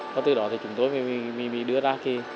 do từ đó thì chúng tôi mới đưa ra cái